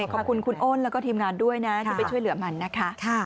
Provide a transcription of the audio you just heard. ขอบคุณคุณอ้นแล้วก็ทีมงานด้วยนะที่ไปช่วยเหลือมันนะคะ